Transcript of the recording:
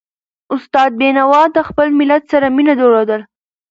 استاد بينوا د خپل ملت سره مینه درلوده.